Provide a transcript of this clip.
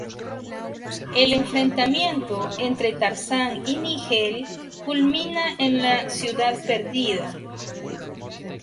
El enfrentamiento entre Tarzán y Nigel culmina en la ciudad perdida.